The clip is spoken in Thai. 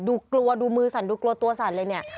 กลัวดูมือสั่นดูกลัวตัวสั่นเลยเนี่ย